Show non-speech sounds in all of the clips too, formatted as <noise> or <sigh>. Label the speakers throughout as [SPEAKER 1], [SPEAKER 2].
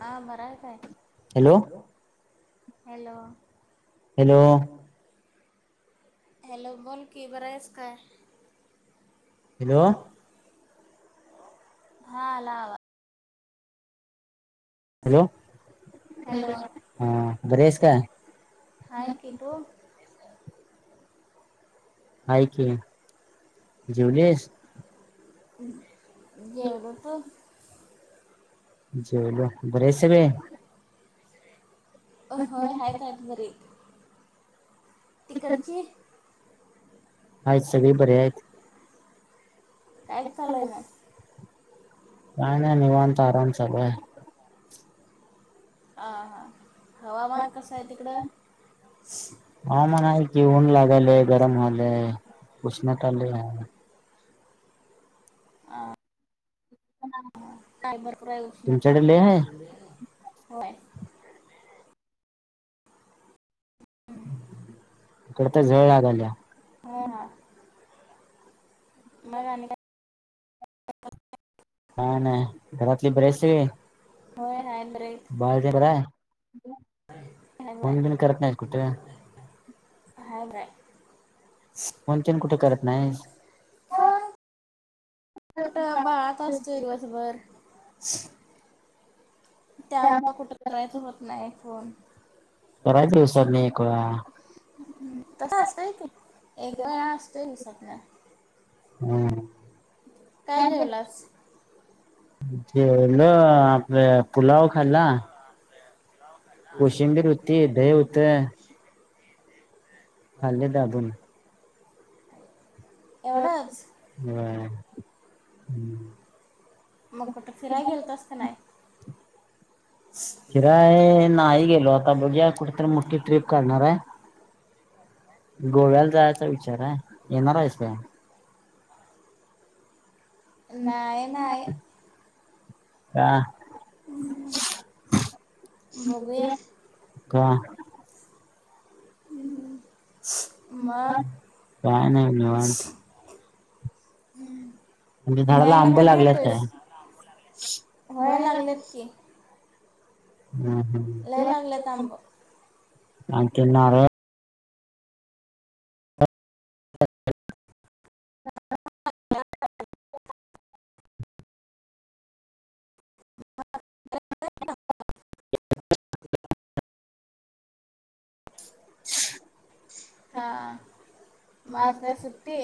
[SPEAKER 1] हा बर आहे काय? हॅलो. हॅलो. हॅलो, बोल की. बऱा आहेस काय? हॅलो. हा आला आवा हॅलो, हॅलो. बरी आहेस का? आहे की, तू? आहे की, घरी आहेस? हं. जेवले, तू?
[SPEAKER 2] जेवलो, बरे आहेत सगळे?
[SPEAKER 1] हं, आहेत आहेत बरे. तिकडची?
[SPEAKER 2] आहेत सगळी बरे आहेत.
[SPEAKER 1] काय चालुय मग?
[SPEAKER 2] काय नाही, निवांत आराम चालुय.
[SPEAKER 1] हं हं, हवामान कसंय तिकडं?
[SPEAKER 2] लागालेत गरम व्हालय, उष्णता लय हाय. <unintelligible>
[SPEAKER 1] टायमर प्रयोशनता, तुमच्याकड आहे? होय. हं <inaudible> झालं. अं हा, मग आणि काय?
[SPEAKER 2] काय नाय. घरातले बरे हायत सगळे? बाळ ते बर हाय? फोन बिन करत नाही, कुठं?
[SPEAKER 1] हायेत हायेत. <unintelligible> कुठं बाळात असतोय दिवसभर. त्यामुळ कुठं करायचं होत नाय फोन.
[SPEAKER 2] करायचं दिवसातनं एक वेळा.
[SPEAKER 1] तस असतोय की, एक वेळा असतोय दिवसांतन.
[SPEAKER 2] हम्म.
[SPEAKER 1] काय जेवलास?
[SPEAKER 2] जेवलो आपल पुलाव खाल्ला.
[SPEAKER 1] पुलाव खाल्ला कोशिंबीर होती हे होतं. <inaudible> एवढंच
[SPEAKER 2] <inaudible>
[SPEAKER 1] मग कुठं फिरायला गेलतास का नाय
[SPEAKER 2] फिराय नाही गेलो आता बघूया कुठेतरी मोठी ट्रीप करणार ये. गोव्याला जायचा विचार आहे, येणार आहेस काय?
[SPEAKER 1] नाही नाही. बघूया. मग न्यायला कधी येतोयेस होय लागलेत की
[SPEAKER 2] हा हा.
[SPEAKER 1] लय लागलेत आंब
[SPEAKER 2] आणखी नारळ
[SPEAKER 1] <inaudible> ह. हा मग आज काय सुट्टी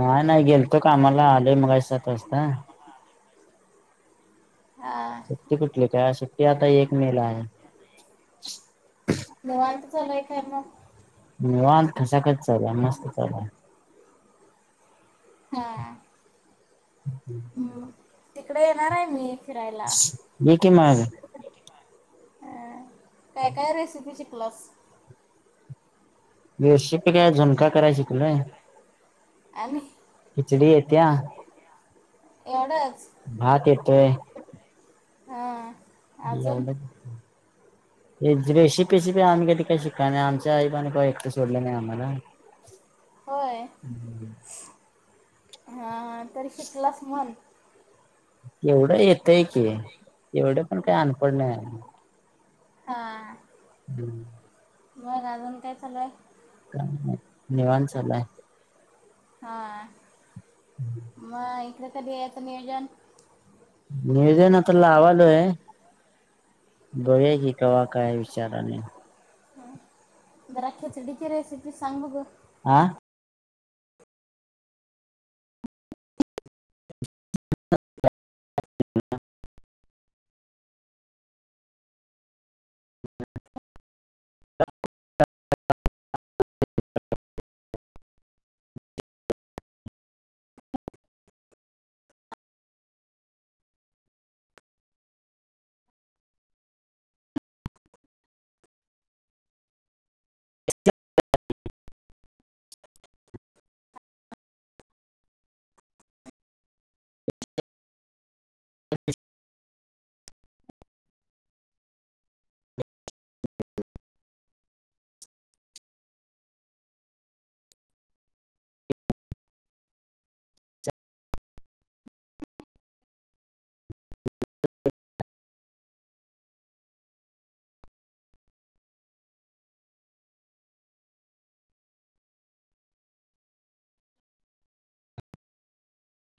[SPEAKER 2] नाही नाही गेलतो कामाला आले मघाशी सात वाजता सुट्टी कुठली काय सुट्टी आता एक मे ला आहे. निवांत आहे त्यांना निवान कसाकच चालुये मस्त चालूये.
[SPEAKER 1] हा. हम्म, तिकडे येणार आहे मी फिरायला अ काय काय रेसिपी शिकलास?
[SPEAKER 2] रेसीपी काय झुणका कराया शिकलोय.
[SPEAKER 1] आणि एवढंच हा
[SPEAKER 2] एवढंच रेशी पेशीपी आम्ही कधी काही शिकाय नाही, आमच्या आईबाईनी काय एकटं सोडलं नाही आम्हाला <inaudible>
[SPEAKER 1] होय. हा हा तरी शिकलास मग <inaudible> हां.
[SPEAKER 2] निवांत चालुये.
[SPEAKER 1] हा.
[SPEAKER 2] <inaudible>
[SPEAKER 1] मग इकडे कधी यायचं नियोजन?
[SPEAKER 2] नियोजन आता लावालोय.
[SPEAKER 1] जरा खिचडीची रेसिपी ती सांग बघु.
[SPEAKER 2] आं <unintelligible> <unintelligible>